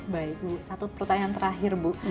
baik bu satu pertanyaan terakhir bu